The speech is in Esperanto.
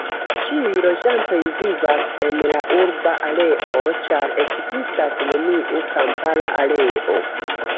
Ĉiuj loĝantoj vivas en la urba areo, ĉar ekzistas neniu kampara areo.